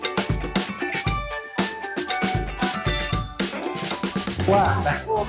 เอาข้อมันอรบ